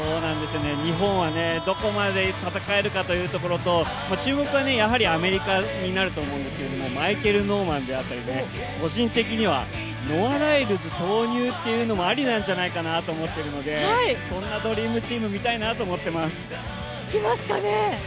日本はどこまで戦えるかということと注目はやはりアメリカになると思うんですけどマイケル・ノーマンであったり個人的には、ノア・ライルズ投入っていうのもありなんじゃないかなと思っているのでそんなドリームチーム見たいなと思ってます。